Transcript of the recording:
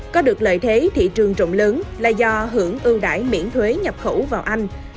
có được lợi thế thị trường trộm lớn là do hưởng ưu đải miễn thuế nhập khẩu vào anh